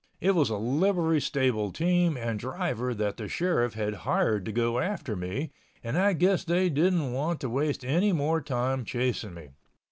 It was a livery stable team and driver that the sheriff had hired to go after me, and I guess they didn't want to waste anymore time chasing me.